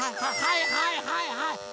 はいはいはいはい。